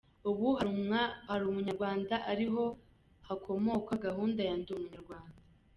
Ubu hari Umunyarwanda ariho hakomoka gahunda ya Ndi Umunyarwanda.